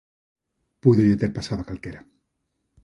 Púidolle ter pasado a calquera.